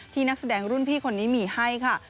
นักแสดงรุ่นพี่คนนี้มีให้ค่ะ